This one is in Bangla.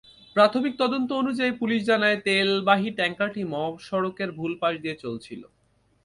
প্রাথমিক তদন্ত অনুযায়ী পুলিশ জানায়, তেলবাহী ট্যাংকারটি মহাসড়কের ভুল পাশ দিয়ে চলছিল।